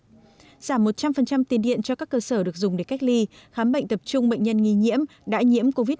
giảm một trăm linh tiền điện cho các cơ sở được dùng để cách ly khám bệnh tập trung bệnh nhân nghi nhiễm đại nhiễm covid một mươi chín